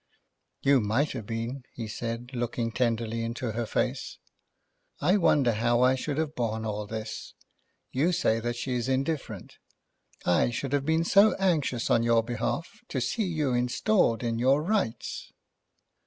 "You might have been," he said, looking tenderly into her face. "I wonder how I should have borne all this. You say that she is indifferent. I should have been so anxious on your behalf, to see you installed in your rights!"